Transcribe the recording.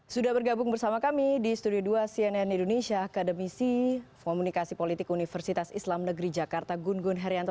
sudah bergabung bersama kami di studio dua cnn indonesia akademisi komunikasi politik universitas islam negeri jakarta gun gun herianto